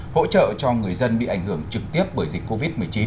hỗ trợ cho người dân bị ảnh hưởng trực tiếp bởi dịch covid một mươi chín